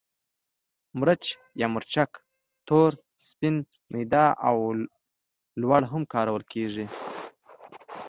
مرچ یا مرچک تور، سپین، میده او لواړ هم کارول کېږي.